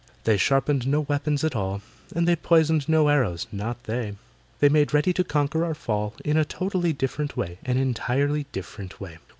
But they sharpened no weapons at all, And they poisoned no arrows—not they! They made ready to conquer or fall In a totally different way— An entirely different way.